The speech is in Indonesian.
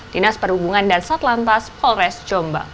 dinas perhubungan dan satlantas polres jombang